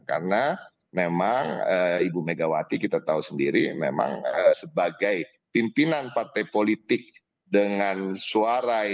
karena memang ibu megawati kita tahu sendiri memang sebagai pimpinan partai politik dengan suara yang